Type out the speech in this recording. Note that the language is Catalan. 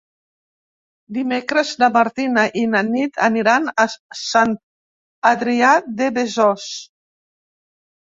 Dimecres na Martina i na Nit aniran a Sant Adrià de Besòs.